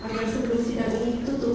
hari sebelum sidang ini ditutup